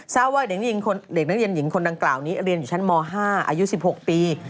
ว่าเด็กนักเรียนหญิงคนดังกล่าวนี้เรียนอยู่ชั้นม๕อายุ๑๖ปี